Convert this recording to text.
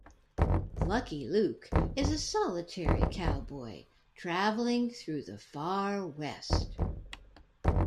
Lucky Luke is a solitary cowboy traveling through the Far West.